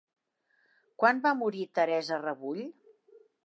Quan va morir Teresa Rebull?